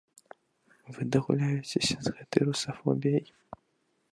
Вы дагуляецеся з гэтай русафобіяй!